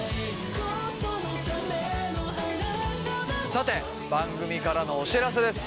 さて番組からのお知らせです。